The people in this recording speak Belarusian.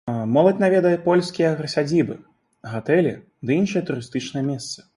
Моладзь наведае польскія аграсядзібы, гатэлі ды іншыя турыстычныя месцы.